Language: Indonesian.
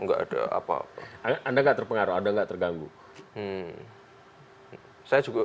anda nggak terpengaruh anda nggak terganggu